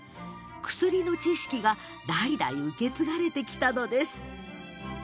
薬の知識が代々受け継がれてきたのです。